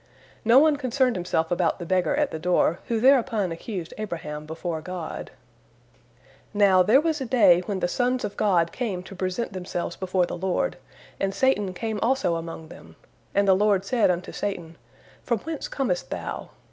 No one concerned himself about the beggar at the door, who thereupon accused Abraham before God. Now, there was a day when the sons of God came to present themselves before the Lord, and Satan came also among them. And the Lord said unto Satan, "From whence comest thou?"